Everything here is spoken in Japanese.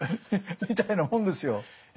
みたいなもんですよ。